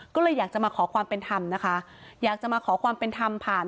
ก็เลยอยากจะมาขอความเป็นธรรมนะคะอยากจะมาขอความเป็นธรรมผ่าน